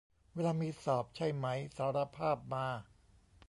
เวลามีสอบใช่ไหม สารภาพมา